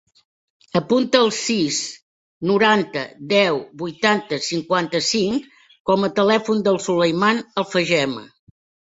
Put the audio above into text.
Apunta el sis, noranta, deu, vuitanta, cinquanta-cinc com a telèfon del Sulaiman Alfageme.